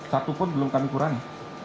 satu pun belum kami kurangi